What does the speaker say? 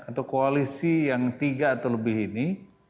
atau koalisi yang tiga atau lebih ini